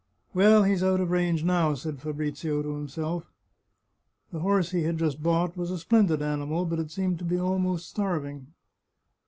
" Well, he's out of range now," said Fabrizio to himself. The horse he had just bought was a splendid animal, but it seemed to be almost starving.